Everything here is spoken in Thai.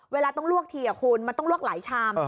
เวลาต้องลวกทีคุณมันต้องลวกหลายชาม